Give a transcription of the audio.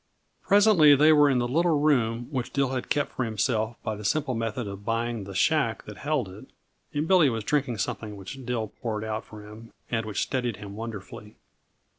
_ Presently they were in the little room which Dill had kept for himself by the simple method of buying the shack that held it, and Billy was drinking something which Dill poured out for him and which steadied him wonderfully.